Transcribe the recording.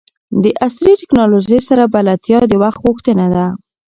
د عصري ټکنالوژۍ سره بلدتیا د وخت غوښتنه ده.